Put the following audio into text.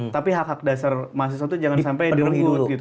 tapi hak hak dasar mahasiswa itu jangan sampai direbut gitu